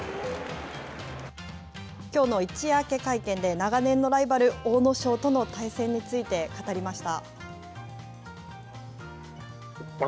きょうの一夜明け会見で、長年のライバル、阿武咲との対戦について、語りました。